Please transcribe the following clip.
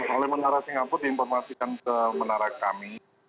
oleh menara singapura diinformasikan ke menara kami